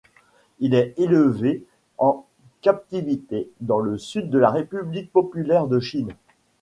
Il est élevé en captivité dans le Sud de la République populaire de Chine.